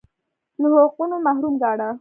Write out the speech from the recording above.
له حقونو محروم ګاڼه